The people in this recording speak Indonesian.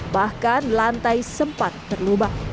bahkan lantai sempat terlubang